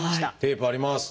テープあります。